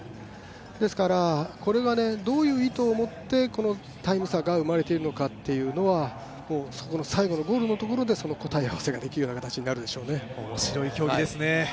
ですから、これがどういう意図を持ってこのタイム差が生まれているかは最後のゴールのところでその答え合わせができるような形になるでしょうね。